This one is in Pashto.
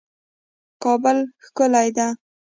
کابل ښکلی ده